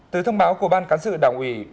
từ thông báo của ban cán sự đảng ủy